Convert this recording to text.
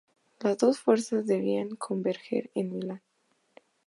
Las dos fuerzas debían converger en Milán.